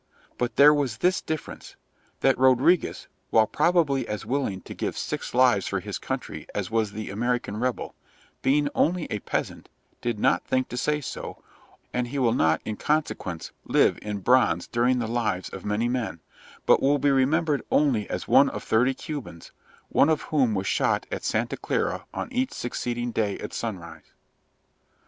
But there was this difference, that Rodriguez, while probably as willing to give six lives for his country as was the American rebel, being only a peasant, did not think to say so, and he will not, in consequence, live in bronze during the lives of many men, but will be remembered only as one of thirty Cubans, one of whom was shot at Santa Clara on each succeeding day at sunrise.